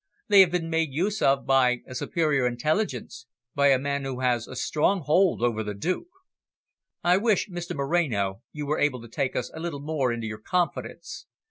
They have been made use of by a superior intelligence, by a man who has a strong hold over the Duke." "I wish, Mr Moreno, you were able to take us a little more into your confidence.